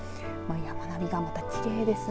山並みが、またきれいですね。